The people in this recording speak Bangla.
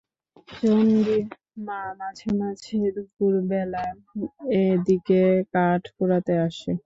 চণ্ডীর মা মাঝে মাঝে দুপুরবেলা এদিকে কাঠ কুড়াতে আসে।